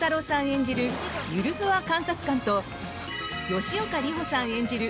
演じるゆるふわ監察官と吉岡里帆さん演じる